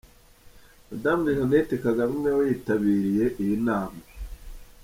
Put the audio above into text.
Madame Jeannette Kagame nawe yitabiriye iyi nama